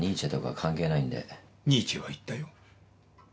ニーチェは言ったよ。